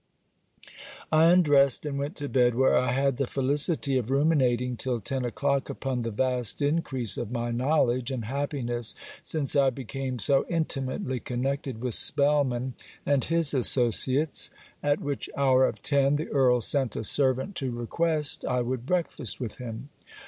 I undressed and went to bed; where I had the felicity of ruminating till ten o'clock upon the vast increase of my knowledge and happiness since I became so intimately connected with Spellman and his associates. At which hour of ten, the Earl sent a servant to request I would breakfast with him.